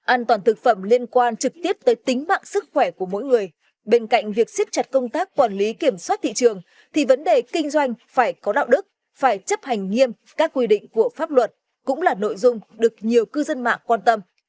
an toàn thực phẩm liên quan trực tiếp tới tính mạng sức khỏe của mỗi người bên cạnh việc siết chặt công tác quản lý kiểm soát thị trường thì vấn đề kinh doanh phải có đạo đức phải chấp hành nghiêm các quy định của pháp luật cũng là nội dung được nhiều cư dân mạng quan tâm